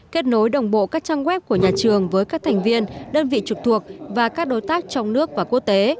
kết nối đồng bộ các trang web của nhà trường với các thành viên đơn vị trực thuộc và các đối tác trong nước và quốc tế